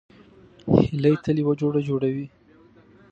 هیلۍ تل یو جوړه جوړوي